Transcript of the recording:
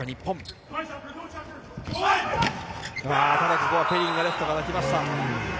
ここはペリンがレフトから来ました。